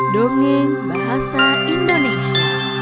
dongeng bahasa indonesia